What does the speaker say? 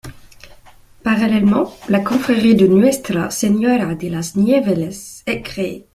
Parallèlement, la confrérie de Nuestra Señora de Las Nieves est créée.